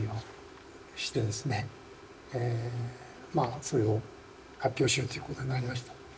まあそれを発表しようということになりました。